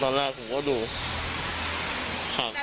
แต่เพราะเอิญว่าลูกค้าที่มาซื้อของของเรา